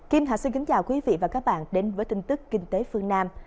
kim hạ xin kính chào quý vị và các bạn đến với tin tức kinh tế phương nam